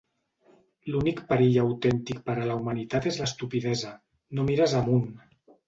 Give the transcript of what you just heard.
L'únic perill autèntic per a la humanitat és l'estupidesa. No mires amunt!